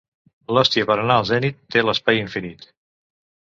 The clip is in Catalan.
L’hòstia, per anar al zenit, té l’espai infinit.